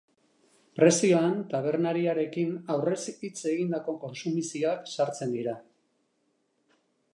Prezioan tabernariekin aurrez hitz egindako kontsumizioak sartzen dira.